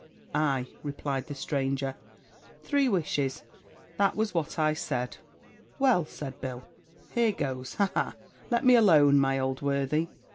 "Ay," replied the stranger, "three wishes that was what I said." "Well," said Bill, "here goes, aha! let me alone, my old worthy!